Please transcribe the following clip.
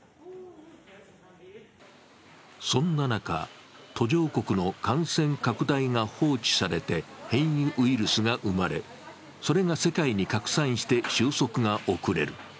そんな中、途上国の感染拡大が放置されて変異ウイルスが生まれ、それが世界に拡散して収束が遅れる。